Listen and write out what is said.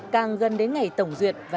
càng gần đến ngày tổng duyệt